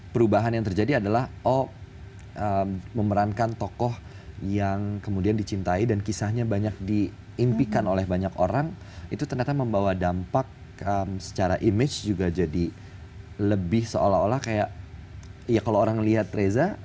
perubahan yang terjadi adalah oh memerankan tokoh yang kemudian dicintai dan kisahnya banyak diimpikan oleh banyak orang itu ternyata membawa dampak secara image juga jadi lebih seolah olah kayak ya kalau orang lihat reza